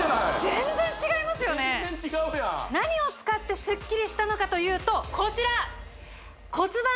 全然違うやん何を使ってスッキリしたのかというとこちら骨盤